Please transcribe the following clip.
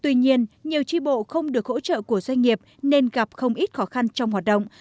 tuy nhiên nhiều tri bộ không được hỗ trợ của doanh nghiệp nên gặp không ít khó khăn trong hoạt động